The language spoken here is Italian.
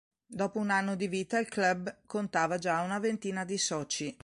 Dopo un anno di vita il Club contava già una ventina di soci.